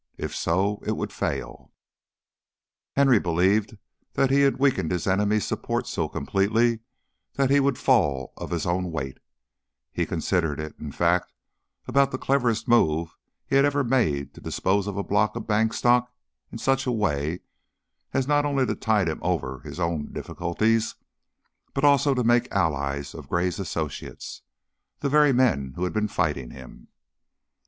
If so, it would fail. Henry believed that he had weakened his enemy's support so completely that he would fall of his own weight; he considered it, in fact, about the cleverest move he had ever made to dispose of a block of bank stock in such a way as not only to tide him over his own difficulties, but also to make allies of Gray's associates the very men who had been fighting him.